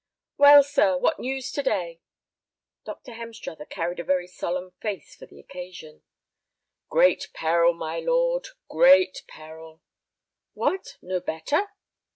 "Well, sir, what news to day?" Dr. Hemstruther carried a very solemn face for the occasion. "Great peril, my lord—great peril." "What! No better?"